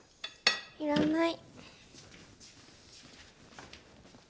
いらない。